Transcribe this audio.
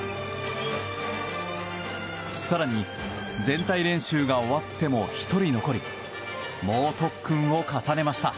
更に全体練習が終わっても１人残り猛特訓を重ねました。